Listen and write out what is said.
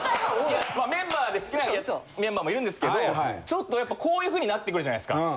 いやメンバーで好きなメンバーもいるんですけどちょっとやっぱこういうふうになってくるじゃないですか。